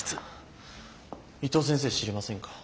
伊藤先生知りませんか？